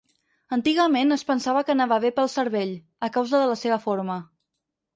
Antigament, es pensava que anava bé pel cervell, a causa de la seva forma.